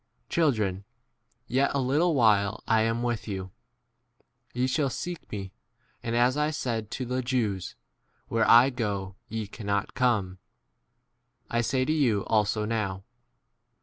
Children, yet a little while I am with you. Ye shall seek me ; and, as I said to the Jews, Where I* go ye* cannot come, I say to you also now.